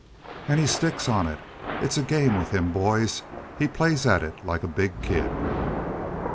"And he sticks on it. It's a game with him, boys. He plays at it like a big kid!"